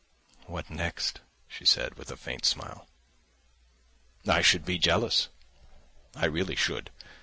"What next?" she said, with a faint smile. "I should be jealous, I really should.